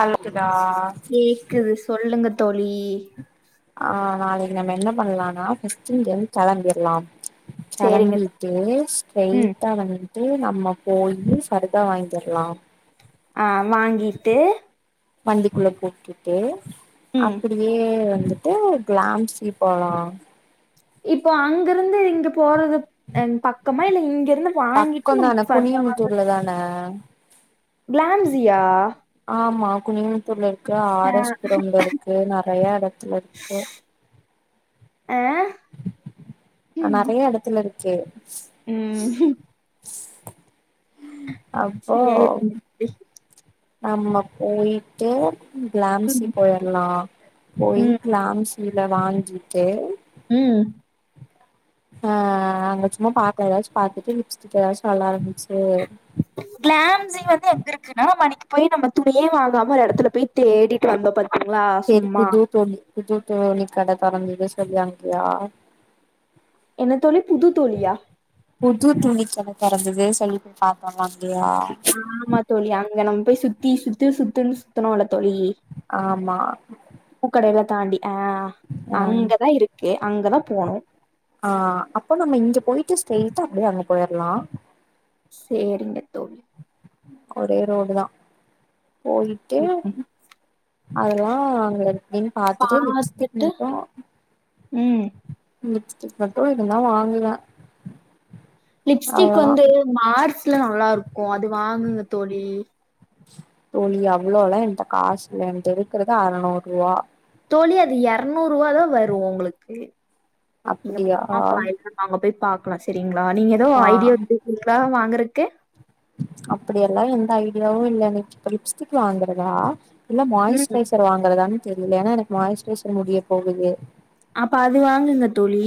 அழுத்துதா கேக்குது சொல்லுங்க தோளி ஆ நாளைக்கு நம்ம என்ன பண்ணலானா ஃபஸ்ட் இங்கிருந்து கெளம்பிருலா சரிங்க தோழி. கெளம்பிட்டு ம் ஸ்ட்ரைட்டா வந்து ட்டு நம்ம போயி ஃபர்தா வாங்கிடலா ஆ வாங்கிட்டு வண்டிகுள்ள போட்டுட்டு ம் அப்டியே வந்து டு கிளாம்ஸ் போல இப்போ அங்கிருந்து இங்க போறது த் த பக்கமா இல்ல இங்க இருந் வாங்கிட்டு நமக்கு [inaudible] அதான ப்ளாம்ஸியா ஆமா குனிமத்தூர்ல இருக்கு ஆ ஆர் எஸ் புரம்ல இருக்கு நெறய எடத்துல இருக் ஆ ஆ நெறய எடதுல இருக்கே ம் ச் செரி ஆ [unintelligible] நம்ம போயிட்டு பிளாம்சி ம் போயிரலா போயி ம் க்லாம்ஸில வாங்கிட்டு ம் ஆ அங்க சும்மா பாத்த ஏதாச்சு பாத்துட்டு லிப்ஸ்டிக் ஏதாச்சு நல்லா இருந்துச்சு கிளாம்ஸ்சே வந்து எங்க இருக்குன்னா நம்ம அன்னைக்கு போய் நம்ம துணியே வாங்காம ஒரு எடத்துல போய் தேடிட்டு வந்த பாத் செரி புது தோழி புது தோழி கடே தொரந்தது சொல்லியனுப்பலயா என்ன தோழி புது தோழியா புது துணி கட தொறந்துது சொல்லி போய் பாத்தோ வந்தியா ஆமா தோழி அங்க நம்ப போய் சுத்தி சுத்து சுத்துனு சுத்துனோல தோழி ஆமா பூக்கடைல தாண்டி ஆ ஆ அங்கதா இருக்கு அங்கதா போனு ஆ அப்போ நம்ம இங்க போயிட்டு ஸ்ட்ரைட்டா அப்டியே அங்க போயர்லா சேரிங்க தோழி ஒரே ரோடுதா போயிட்டு ம் அதெல்லா அங்க எப்டின்னு பாத்துட்டு லிப்ஸ்டிக் மட்டு ம் லிப்ஸ்டிக் மட்டு இருந்தா வாங்குவ லிப்ஸ்டிக் வந்து மார்ஸ்ல நல்லா இருக்கு அது வாங்குங்க தோழி தோழி அவ்ளோலா என்ட்ட காசுல்ல என்ட்ட இருக்குறது அறநூறுவா தோழி அது எரநூறுவாதா வரு உங்ளுக்கு நீங்க அப்டியா பாக்கலா என்ன அங்க போய் பாக்லா சரிங்ளா நீங்க எதோ ஆ ஐடியா எது [inaudible] வாங்றக்கு அப்டியெல்லா எந்த ஐடியாவு இல்ல எனக் இப்ப லிப்ஸ்டிக் வாங்குறதா இல்ல ம் மாய்ஸ்ட்ரைசர் வாங்குறதானு தெரில ஏன்னா எனக்கு மாய்ஸ்ட்ரைசர் முடிய போகுது அப்ப அது வாங்குங்க தோழி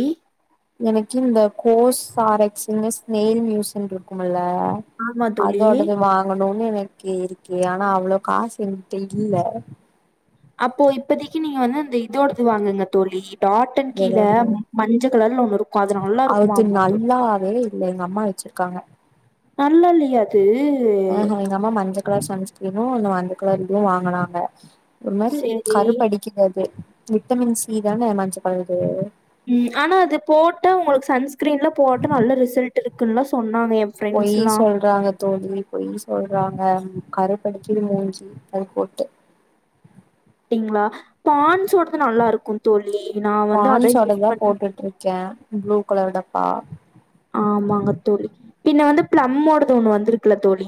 எனக்கு இந்த கோஸ் சாரக்ஸ்ன்னு ஸ்னேல் மியூஸ்னு இருக்குமுல்ல ஆமா தோழி அதோடது வாங்கணுனு எனக்கு இருக்கு ஆனா அவ்ளொ காசு எங்கிட்ட இல்ல அப்போ இப்போதிக்கு நீங்க வந்து அந்த இதோடது வாங்குங்க தோழி டாட்டன் கீழ எதோடது மஞ்ச கலர்ல ஒன்னு இருக்கு அது நல்லா இருக்குமாமா தோ டா அது இல்ல எங்க அம்மா வச்சுருக்காங்க நல்லால்லைய தெரிலியே ஆஹ எங்க அம்மா மஞ்ச கலர் சன்ஸ்கிரீனு அந்த மஞ்ச கலரு இதுவு வாங்குனாங்க ஒரு மாரி சேரி கருப்பு அடிக்குது அது விட்டமின் சி தானே மஞ்ச கலரு ம் ஆனா அது போட்ட உங்களுக்கு சன்ஸ்கிரீன்ல போட்டு நல்ல ரிசல்ட் இருக்குன்னுலா சொன்னாங்க எ பொய் சொல்றாங்கத் தோழி பொய் சொல்றாங்க ம் கருப்படிக்குது மூஞ்சி அது போட்டு டிங்ளா பான்ஸ்ஸோடது நல்லா இருக்கு தோழி நா வந்து அத யூஸ் பான்ஸ்ஸோடதா பண்ணி போட்டுட்டுருக்கே ப்ளூ கலர் டப்பா ஆமாங்க தோழி பின்ன வந்து ப்ளம்மோடது ஒன்னு வந்துருக்குல தோழி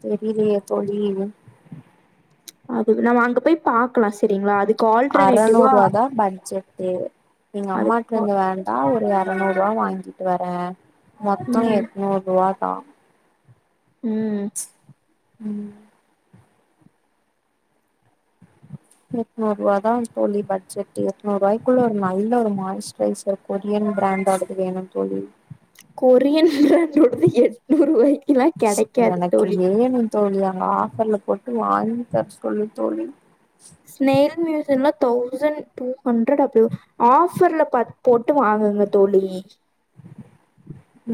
தெரிலியே தோழி அதுவ் நம்ம அங்க போய் பாக்கலா சரிங்களா அதுக் அறநூறுவாதா பட்ஜட்டு எங்க அதுக்கு அம்மாட்டருந்து வேண்டா ஒரு எரநூரூவா வாங்கிட்டு வரே மொத்தோ ம் எட்நூருவாதா ம் ம் எட்நூருவாதா தோழி பட்ஜெட்டு எட்நூருவாய்க்குள்ள ஒரு நல்ல ஒரு மாய்ஸ்ட்ரைசர் கொரியன் ப்ராண்டோடது வேணும் தோழி கொரியன் ப்ராண்டோடது எட்நூறுவாய்க்கில்லா கெடைக்காது எனக்கு தோழி வேணு தோழி அங்க ஆஃபர்ல போட்டு வாங்கி தர சொல்லு தோழி ஸ்னெய்ல் ம்யூசியன்ல தௌசண் டூ ஹண்ரடு அப்டி ஒ ஆஃபர்ல பாத் போட்டு வாங்குங்க தோழி.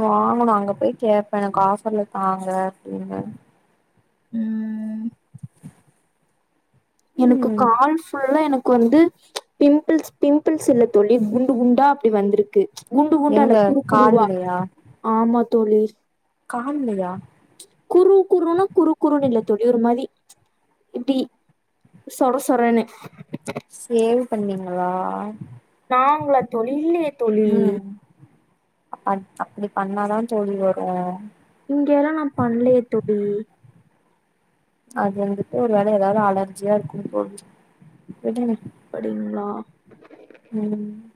வாங்கணு அங்க போய் கேப்பே எனக் ஆஃபர்ல தாங்க அப்டினு. ம் எனக்கு ம் கால் ஃபுல்லா எனக் க்கு வந்து பிம்பிள்ஸ் பிம்பிள்ஸ் இல்ல தோழி குண்டு குண்டா அப்டி வந்துருக்கு. குண்டு குண்டா எங்க இல்ல குறு குறுவா கால்லயா ஆமா தோழி. கால்லயா? குறு குறுனா குறு குறுனு இல்லத் தோழி ஒரு மாதி இப்டி சொர சொரணு. சேவ் பண்ணீங்களா? நாங்ளா தோழி இல்லையே தோழி. அப்பான் அப்டி பண்ணாதா தோழி வரு. இங்கயெல்லா நா பண்லயே தோழி. அது வந்துட்டு ஒரு வேல எதாவது அலர்ஜியா இருக்குங் தோழி விடுங்க. படிங்ளா? ம்.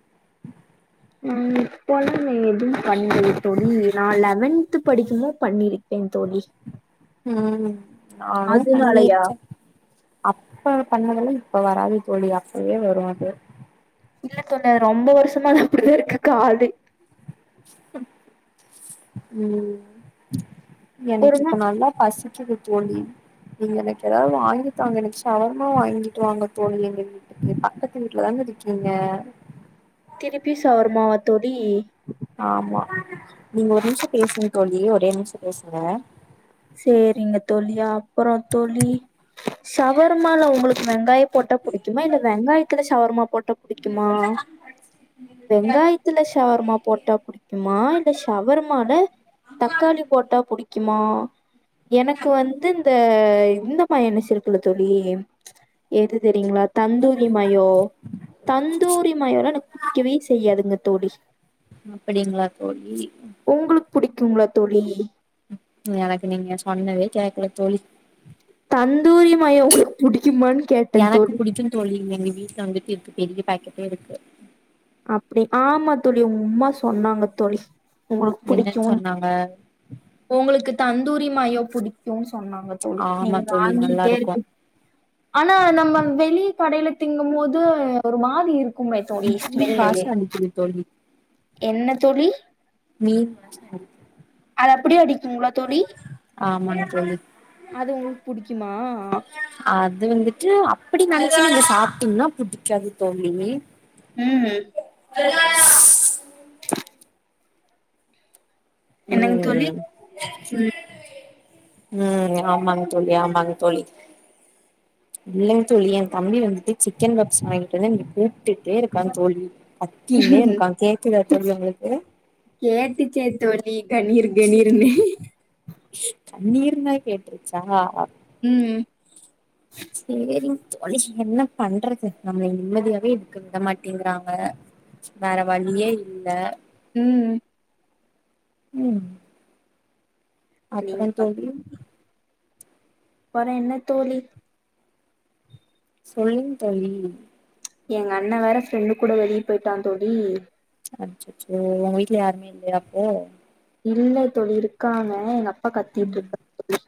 ம் இப்பல்லா நா எதுமே பண்லியே தோழி நா லெவன்த்து படிக்குமோ பண்ணிரு க்கே தோழி. ம் நானு அதுனாலயா பண்ணிருக்கே. அப்ப பண்ணதெல்லா இப்ப வராது தோழி அப்பயே வரு அது. இல்ல தோழி அது ரொம்ப வருஷமா அது அப்பிடிதா இருக்கு காலு. ம் எனக்கு ஒருமா இப்ப நல்லா பசிக்கிது தோழி. நீங்க எனக்கு எதாவ் வாங்கித்தாங்க எனக்கு ஷவர்மா வாய்ங்கிட்டு வாங்க தோழி எங்க வீ ட்டுக்கு பக்கத்து வீட்லதான இருக்கீங்க. திருப்பியு ஷவர்மாவா தோழி? ஆமா நீங்க ஒரு நிம்ஷ பேசுங் தோழி ஒரே நிம்ஷ பேசுங்க. சேரிங்க தோழி அப்பறோ தோழி ஷவர்மால உங்குளுக்கு வெங்காய போட்டா புடிக்குமா இல்ல வெங்காயத்துல ஷவர்மா போட்டா புடிக்குமா? வெங்காய் த்துல ஷவர்மா போட்டா புடிக்குமா இல்ல ஷவர்மால தக்காளி போட்டா புடிக்கிமா? எனக்கு வந்து இந்த இந்த மயேனிஸ் இருக்குல்ல தோழி எது தெரியுங்ளா தந்தூரி மயோ தந்தூரி மயோலா எனக்கு புடிக்கவே செய்யாதுங்க தோழி. அப்படிங்களா தோழி ம். உங்குளுக் புடிக்குங்ளா தோழி? ம் எனக்கு நீங்க சொன்னதே கேக்கல தோழி? தந்தூரி மயோ புடிக்குமன் எனக்கு புடிக்கு தோழி எங்க வீட்ல வந்துட்டு இர்க்கு பெரிய பேக்கெட்டே இருக்கு. அப்பிடி ஆமா தோழி உம்மா சொன்னாங்க தோழி உங்குளுக் என்னன்னு புடிக்குன் சொன்னாங்க உங்குளுக்கு தந்தூரி மயோ புடிக்குன் சொன்னாங்க தோழி ஆமா நீங்க தோழி நல்லா வாங்கிட்டே இருக்கு இருப்பி ஆனா நம்ம வெளி கடையில திங்கும் போது ஒரு மாரி இருக்குமே தோழி ம் வெயில் ஸ்மெல்லு. வாசோ அடிக்கிதே தோழி என்ன தோழி? மீன் வாசோ அடி அது அப்பிடியே அடிக்குங்ளா தோழி? ஆமாங்க தோழி அது உங்குளுக் புடிக்கிமா? அது வந்துட்டு அப்டி நெனச்சு நீங்க சாப்ட்டீங்கனா புடிக்காது தோழி ம் வெங்காயம் என்னங்க தோழி? ம் ம். ம் ஆமாங்க தோழி ஆமாங்க தோழி இல்லங்க தோழி என் தம்பி வந்துட்டு சிக்கன் பப்ஸ் வாங்கிட்டு வந்து என்னய கூப்ட்டுட்டே இருக்கா தோழி கத்தின்னே இருக்கா கேக்குதா தோழி உங்களுக்கு கேட்டுச்சே தோழி கணீர் கணீர்னு தண்ணீர்னா கேட்ருச்சா ம் சேரிங் தோழி என்ன பண்றது நம்ம நிம்மதியாவே இருக்க விடமாட்டேங்குறாங்க வேற வழியே இல்ல ம் ம் அப்பற நீங்க தோழி வேற என்ன தோழி சொல்லுங்க தோழி எங்க அண்ண வேற ஃப்ரெண்டு கூட வெளிய போயிட்டா தோழி அச்சச்சோ உங்க வீட்ல யாருமே இல்லயா அப்போ இல்ல தோழி இருக்காங்க எங்க அப்பா கத்திட்டு ம் இருக்காங்க தோழி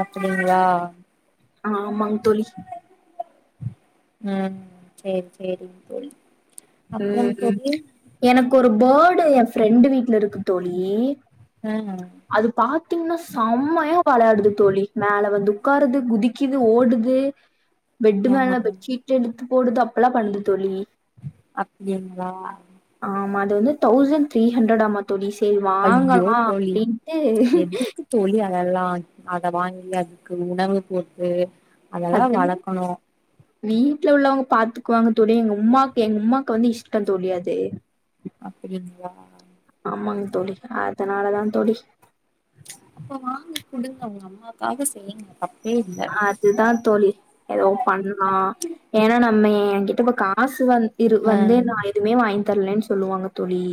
அப்டிங்களா ஆமாங் தோழி ம் செரி செரிங்க தோழி ம் அப்றம் ம் தோழி எனக்கு ஒரு பேர்டு என் ஃப்ரெண்டு வீட்ல இருக்கு தோழி ம் அது பாத்தீங்கனா செம்மையா வெளாடுது தோழி மேல வந்து உக்காருது குதிக்குது ஓடுது [inaudible] பெட்டு மேல பெட்ஷீட் எடுத்து போடுது அப்பெல்லா பண்ணுது தோழி அப்படிங்ளா ஆமா அது வந்து தௌசண்ட் த்ரீ ஹண்ட்ரட்டா மா தோழி சரி ஐயோ வாங்கலா தோழி அப்படின்ட்டு எதுக்கு தோழி அதெல்லா அத வாங்கி அதுக்கு உணவு போட்டு அதெல்லா அது வளக்கணு வீட்ல உள்ளவங்க பாத்துக்குவாங்க தோழி எங்க உம்மாக்கு எங்க உம்மாக்கு வந்து இஷ்ட தோழி அது அப்படிங்ளா ஆமாங்க தோழி அதனாலதா தோழி அப்ப வாங்கி குடுங்க உங்க அம்மாக்காக செய்ங்கப்ப அதுதா தோழி எதோ பண்ணா ஏன்னா நம்ம என் கிட்ட இப்ப காசு வந்து இரு ஆ வந்து ந எதுமே வாங்கி தரலன் சொல்லுவாங்க தோழி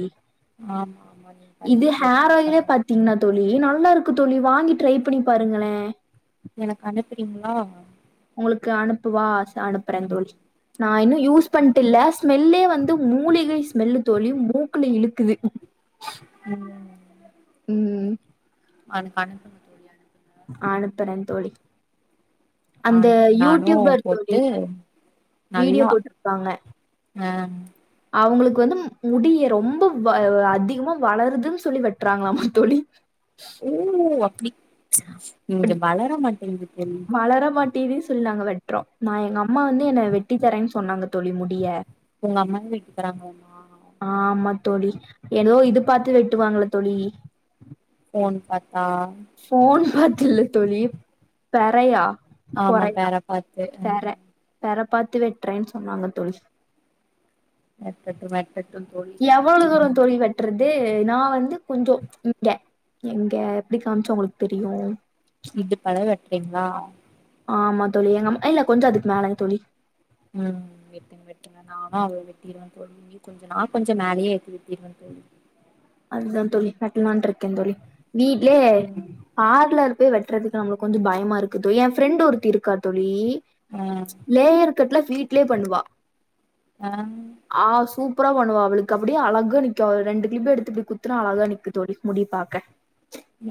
ஆமா ஆமா நீங்க இது பண்ணுங்க தோழி ஹேர் நீங்க ஆயிலே பண்ணலா பாத்தீங்கன்னா தோழி நல்லாருக்கு தோழி வாங்கி ட்ரை பண்ணி பாருங்களே எனக்கு அனுப்புறீங்ளா உங்களுக்கு அனுப்பவா சரி அனுப்பறே ம் தோழி நா இன்னு யூஸ் பண்ட்டு இல்ல ஸ்மெல்லே வந்து மூலிகை ஸ்மெல்லு தோழி மூக்குல இழுக்குது ம் ம் அனுப்பு அனுப்பு அனுப்புரே தோழி அந்த அனுப்புங்க நானு யூடியூபர் தோழி போட்டு வீடியோ நல்லா போட்ருப்பாங்க ஆ அவுங்களுக்கு வந்து முடிய ரொம்ப வ அ அதிகமா வளருதுன் சொல்லி வெட்டுறாங்களாம தோழி ஓ அப்டி இங்க அப்டி வளர மாட்டேங்கிது தோழி வளர மாட்டேது சொன்னாங்க வெட்றோ நா எங்க அம்மா வந்து என்ன வெட்டி தரேன்னு சொன்னாங்க தோழி முடிய உங்க அம்மாவே வெட்டி தராங்களாமா ஆமா தோழி ஏதோ இது பாத்து வெட்டுவாங்களா தோழி ஃபோன் பாத்தா ஃபோன் பாத்தில்ல தோழி பெறையா ஆமா பொறையா பேர பாத்து ஆ பெற பெற பாத்து வெட்றன் சொன்னாங்க தோழி வெட்டட்டு வெட்டட்டு தோழி வெட்டுங்க நீங்க வெட்றது நா வந்து கொஞ்சோ இங்க எங்க எப்டி காமிச்சா உங்களுக்கு தெரியு இடுப்பளவு வெட்றீங்களா ஆமா தோழி எங்கம்மா இல்ல கொஞ்ச அதுக்கு மேலங்க தோழி ம் வெட்டுங்க வெட் டுங்க நானு அத வெட்டிடுவே தோழி நீ கொஞ்ச நா கொஞ்ச மேலயே வெட்டி வெட்டிடுவே தோழி அதுதா தோழி வெட்டலான்டுருக்கே தோழி வீட்லயே ம் பார்லர் போய் வெட்டுறதுக்கு அங்க கொஞ்ச பயமா இருக்குது எ ஃப்ரெண்ட் ஒருத்தி இருக்கா தோழி ம் லேயர் கட்லா வீட்லயே பண்ணுவா ஆ ஆ சூப்பரா பண்ணுவா அவளுக்கு அப்டிய அழகா நிக்கு ரெண்டு க்லிப் எடுத் இப்டி குத்துனா அழகா நிக்கு தோழி முடி பாக்க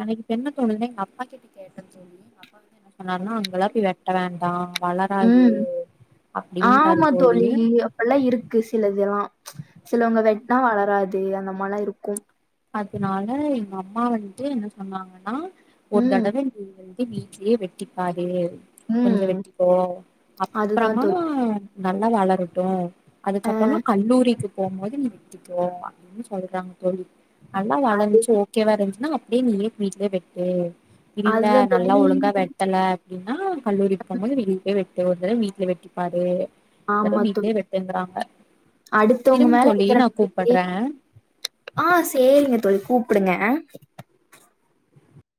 எனக்கு இப்ப என்ன தோணுதுனா எங்க அப்பா கிட்ட கேட்ட தோழி அப்பா வந்து என்ன சொன்னாருன்னா அங்கெல்லா போய் வெட்ட வேண்டா வளராது ம் அப்டின்ட்டாரு தோழி எல்லா இருக்கு சிலதெல்லா சில வங்க வெட்னா வளராது அந்த மாரிலா இருக்கு அதனால எங்க அம்மா வண்ட்டு என்ன சொன்னாங்கன்னா ஒரு ம், தடவ நீ வந்து வீட்லயே வெட்டிப்பாரு கொஞ்ச ம். வெட்டிக்கோ அதுதா அப்றமா தோழி. நல்லா வளரட்டு அ அதுக்கப்பறமா கல்லூரிக்கு போமோது வெட்டிக்கோ அப்டின்னு சொல்றாங்க தோழி நல்லா அது வளந்துச்சி ஓகேவா இருந்துச்ன்னா அப்டியே நீயே வீட்ல வெட்டு இல்ல அதுதா தோழி நல்லா நீங்க ஒழுங்கா வெட் டல அப்டின்னா கல்லூரி போமோது வெளிய போய் வெட்டு ஒருதர வீட்ல வெட்டிப்பாரு இத ஆமா வீட்லயே தோழி. வெட்டுங்றாங்க அடுத்தவங்க இருங்க மேல தோழி வைக்கிற நா கூப்பட்ற நம்பிக்கைய ஆ சேரிங்க தோழி கூப்புடுங்க ஆ